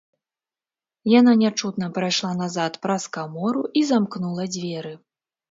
Яна нячутна прайшла назад праз камору і замкнула дзверы.